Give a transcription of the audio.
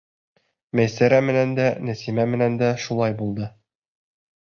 Мәйсәрә менән дә, Нәсимә менән дә шулай булды.